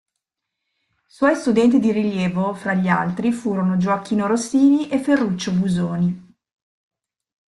Suoi studenti di rilievo, fra gli altri, furono Gioachino Rossini e Ferruccio Busoni.